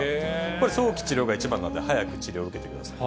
これ、早期治療が一番なんで、早く治療を受けてください。